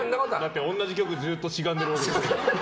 同じ曲をずっとしがんでるわけですから。